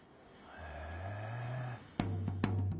へえ。